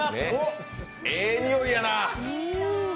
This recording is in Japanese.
ええにおいやな！